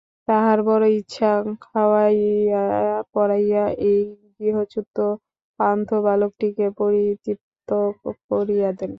তাঁহার বড়ো ইচ্ছা, খাওয়াইয়া পরাইয়া এই গৃহচ্যুত পান্থ বালকটিকে পরিতৃপ্ত করিয়া দেন।